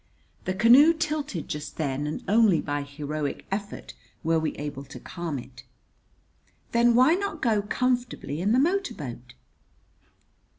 The canoe tilted just then, and only by heroic effort, were we able to calm it. "Then why not go comfortably in the motor boat?"